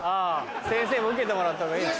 先生も受けてもらったほうがいい。